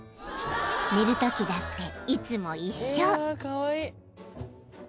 ［寝るときだっていつも一緒］